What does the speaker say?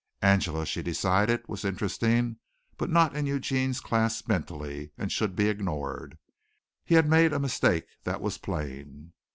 Angela, she decided, was interesting, but not in Eugene's class mentally, and should be ignored. He had made a mistake, that was plain.